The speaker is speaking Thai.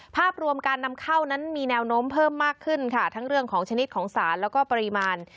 ภาพรวมการนำเข้านั้นมีแนวโน้มเพิ่มมากขึ้นค่ะทั้งเรื่องของชนิดของสารแล้วก็ปริมาณ